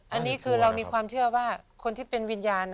อันนี้คือเรามีความเชื่อว่าคนที่เป็นวิญญาณ